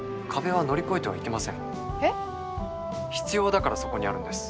必要だからそこにあるんです。